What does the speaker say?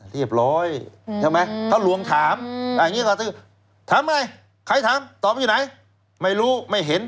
เรียบร้อยเขาหลวงถามถามไงใครถามตอบอยู่ไหน